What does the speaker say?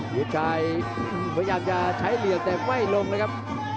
ยุทธชัยพยายามจะใช้เหลี่ยมแต่ไม่ลงเลยครับ